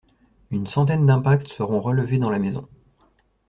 Une centaine d'impacts seront relevés dans la maison.